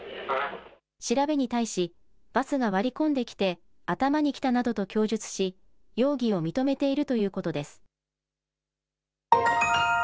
調べに対しバスが割り込んできて頭にきたなどと供述し容疑を認めているということです。